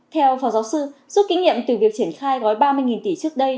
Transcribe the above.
theo phó giáo sư giúp kinh nghiệm từ việc triển khai gói ba mươi nghìn tỷ trước đây